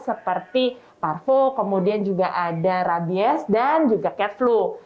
seperti parvo kemudian juga ada rabies dan juga cat flu